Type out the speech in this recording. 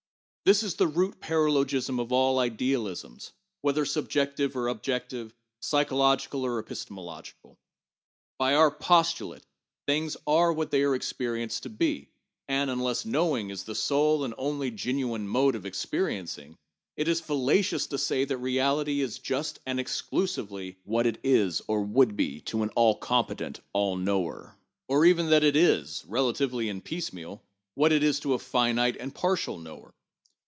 This is the root paralogism of all idealisms, whether subjective or objective, psycho logical or epistemological. By our postulate, things are what they are experienced to be ; and, unless knowing is the sole and only gen uine mode of experiencing, it is fallacious to say that Reality is just and exclusively what it is or would be to an all competent all knower; or even that it is, relatively and piecemeal, what it is to a finite and partial knower.